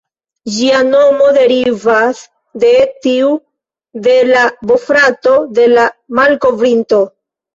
Ĝia nomo derivas de tiu de la bofrato de la malkovrinto.